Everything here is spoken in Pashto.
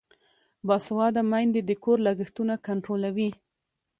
باسواده میندې د کور لګښتونه کنټرولوي.